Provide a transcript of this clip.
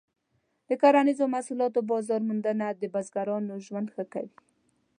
د کرنیزو محصولاتو بازار موندنه د بزګرانو ژوند ښه کوي.